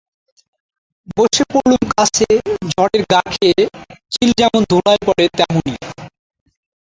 বসে পড়লুম কাছে, ঝড়ের ঘা খেয়ে চিল যেমন ধুলায় পড়ে তেমনি।